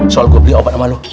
soal gua beli obat sama lu